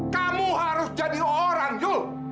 kamu harus jadi orang jul